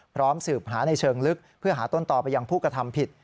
สืบหาในเชิงลึกเพื่อหาต้นต่อไปยังผู้กระทำผิด